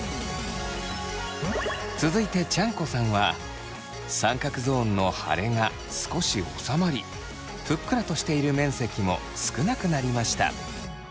続いてチャン子さんは三角ゾーンの腫れが少し治まりふっくらとしている面積も少なくなりました。